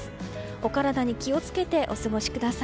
お体に気を付けてお過ごしください。